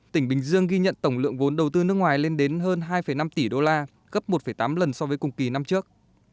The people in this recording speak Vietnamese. tỉnh bình dương ghi nhận tổng lượng vốn đầu tư nước ngoài lên đến hơn hai năm tỷ đô la gấp một tám lần so với cùng kỳ năm trước